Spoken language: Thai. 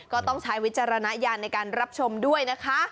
ก็ต้องใช้วิจารณญาณในการรับชมด้วยนะคะ